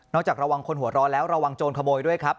จากระวังคนหัวร้อนแล้วระวังโจรขโมยด้วยครับ